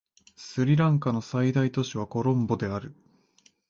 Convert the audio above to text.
スリランカの最大都市はコロンボである